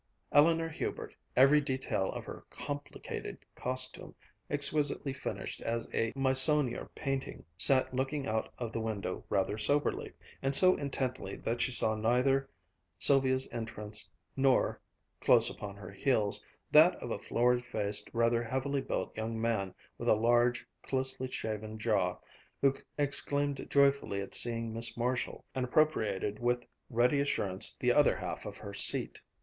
Eleanor Hubert, every detail of her Complicated costume exquisitely finished as a Meissonier painting, sat looking out of the window rather soberly, and so intently that she saw neither Sylvia's entrance, nor, close upon her heels, that of a florid faced, rather heavily built young man with a large, closely shaven jaw, who exclaimed joyfully at seeing Miss Marshall, and appropriated with ready assurance the other half of her seat.